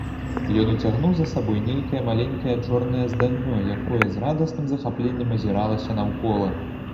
Ён уцягнуў за сабой нейкае маленькае чорнае зданнё, якое з радасным захапленнем азіралася наўкола.